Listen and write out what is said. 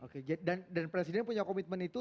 oke dan presiden punya komitmen itu